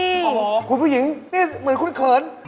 โอ้โหคุณผู้หญิงนี่เหมือนคุณเขิน